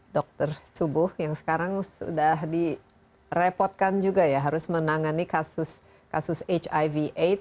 dr subuh yang sekarang sudah direpotkan juga ya harus menangani kasus kasus hiv aids